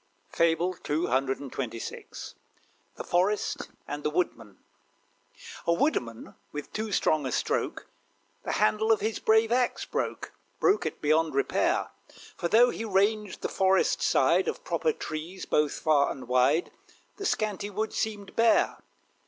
FABLE CCXXVI. THE FOREST AND THE WOODMAN. A Woodman, with too strong a stroke, The handle of his brave axe broke, Broke it beyond repair; For, though he ranged the Forest side, Of proper trees both far and wide The scanty wood seemed bare.